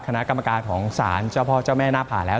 คณะกรรมการของศาลเจ้าพ่อเจ้าแม่หน้าผ่าแล้ว